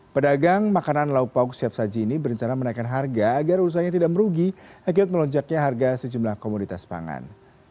pedagang makanan lauk lauk siap saji ini berencana menaikkan harga agar usahanya tidak merugi akibat melonjaknya harga sejumlah komoditas pangan